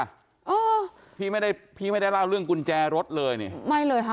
กุญแจพี่เหรอพี่ไม่ได้เล่าเรื่องกุญแจรถเลย